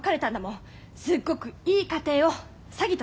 すっごくいい家庭を詐欺とつくる。